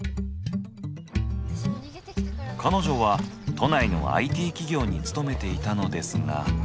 彼女は都内のＩＴ企業に勤めていたのですが。